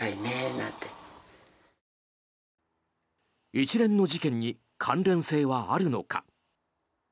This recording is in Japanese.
一連の事件に関連性はあるのか。